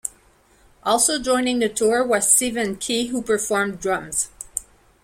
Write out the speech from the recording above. Also joining the tour was cEvin Key, who performed drums.